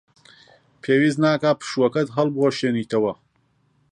پێویست ناکات پشووەکەت هەڵبوەشێنیتەوە.